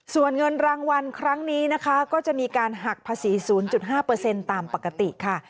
ส่วนเงินรางวัลครั้งนี้นะคะก็จะมีการหักภาษี๐๕ตามปกติค่ะ